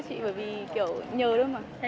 thôi mà không rỗi nữa